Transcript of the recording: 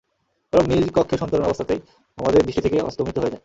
বরং নিজ কক্ষে সন্তরণ অবস্থাতেই আমাদের দৃষ্টি থেকে অস্তমিত হয়ে যায়।